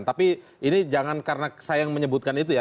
tapi ini jangan karena sayang menyebutkan itu ya